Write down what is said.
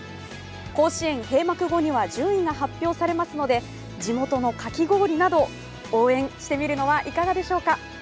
甲子園閉幕後には順位が発表されますので地元のかき氷など、応援してみるのはいかがでしょうか。